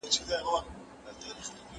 د زعفرانو شربت ډېر خوندور وي.